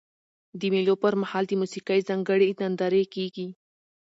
د مېلو پر مهال د موسیقۍ ځانګړي نندارې کیږي.